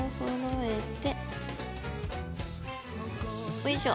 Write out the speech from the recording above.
おいしょ。